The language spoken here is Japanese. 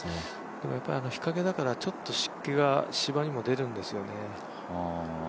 でもやっぱり日陰だからちょっと湿気が芝にも出るんですよね。